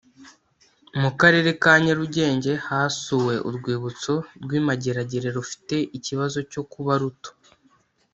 Mu Karere ka Nyarugenge hasuwe urwibutso rw i Mageragere rufite ikibazo cyo kuba ruto